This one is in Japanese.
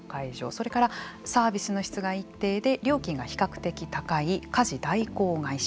それからサービスの質が一定で料金が比較的高い家事代行会社。